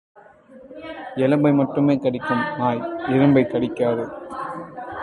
எலும்பு கடிக்கிற நாய் இரும்பைக் கடிக்குமா?